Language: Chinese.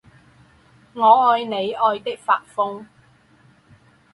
我爱你爱的发疯